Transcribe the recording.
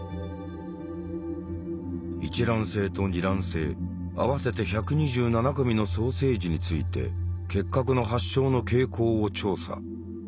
一卵性と二卵性合わせて１２７組の双生児について結核の発症の傾向を調査。